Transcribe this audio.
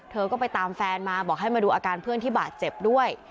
เธอก็ไปตามแฟนมาบอกให้มาดูอาการเพื่อนที่บาดเจ็บด้วย